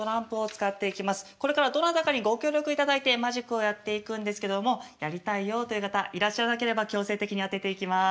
これからどなたかにご協力いただいてマジックをやっていくんですけども「やりたいよ」という方いらっしゃらなければ強制的に当てていきます。